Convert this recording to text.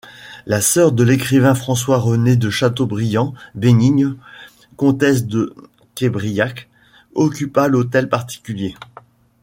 La sœur de l'écrivain François-René de Chateaubriand, Bénigne, comtesse de Québriac occupa l'hôtel particulier.